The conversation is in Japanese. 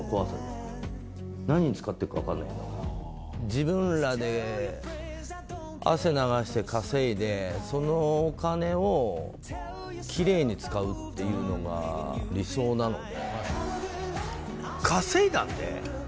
自分らで汗流して稼いでそのお金をキレイに使うっていうのが理想なので。